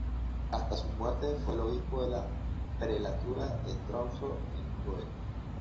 Hasta su muerte fue el obispo de la Prelatura de Tromsø, en Noruega.